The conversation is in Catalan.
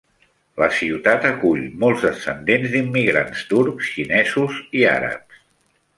La ciutat acull molts descendents d'immigrants turcs, xinesos i àrabs.